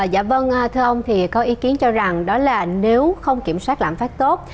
dạ vâng thưa ông thì có ý kiến cho rằng đó là nếu không kiểm soát lãm phát tốt